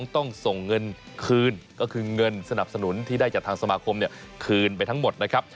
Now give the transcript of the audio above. ต้องส่งเงินคืนก็คือเงินสนับสนุนที่ได้จากทางสมาคมคืนไปทั้งหมดนะครับ